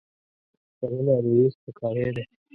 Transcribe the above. وژنه د دین سپکاوی دی